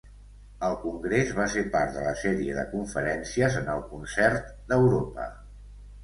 El congrés va ser part de la sèrie de conferències en el Concert d'Europa.